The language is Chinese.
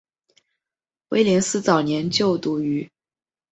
威廉斯早年就读于。